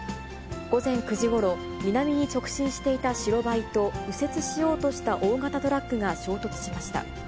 午前９時ごろ、南に直進していた白バイと、右折しようとした大型トラックが衝突しました。